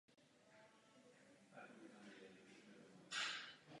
I proto byl sledován a několikrát vyslýchán na hejtmanství v Broumově.